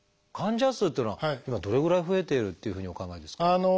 患者数っていうのは今どれぐらい増えているというふうにお考えですか？